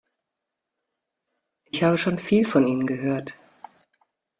Ich habe schon viel von Ihnen gehört.